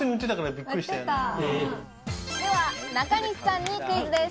では、中西さんにクイズです。